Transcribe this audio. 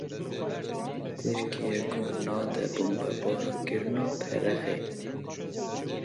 Tirkiyeyê guh neda bombebarankirina Perexê.